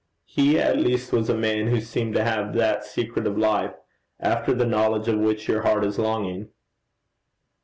He at least was a man who seemed to have that secret of life after the knowledge of which your heart is longing.'